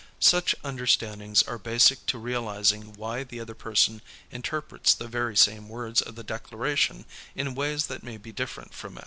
Such understandings are basic to realizing why the other person interprets the very same words of the Declaration in ways that may be different from our own.